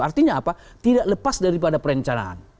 artinya apa tidak lepas daripada perencanaan